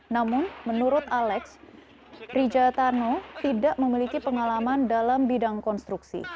namun menurut alex rijatano tidak memiliki pengalaman dalam bidang konstruksi